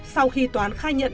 sau khi toán khai nhận